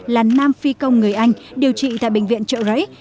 là nam phi công người anh điều trị tại bệnh viện trợ rẫy